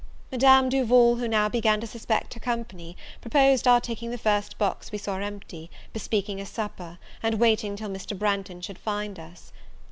Madame Duval, who now began to suspect her company, proposed our taking the first box we saw empty, bespeaking a supper, and waiting till Mr. Branghton should find us.